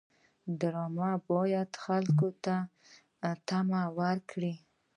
ډرامه باید خلکو ته تمه ورکړي